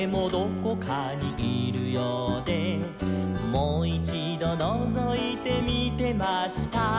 「もいちどのぞいてみてました」